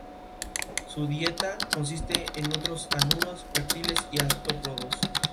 Su dieta consiste en otros anuros, reptiles y artrópodos.